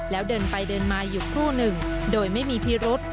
แล้วเดินไปเดินมาอยู่ครู่หนึ่งโดยไม่มีพิรุษ